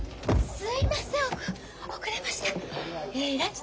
すいません